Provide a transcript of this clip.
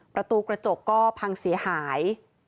ประตูกระจกก็พังเสียหาย